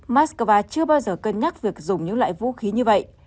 moscow chưa bao giờ cân nhắc việc dùng những loại vũ khí như vậy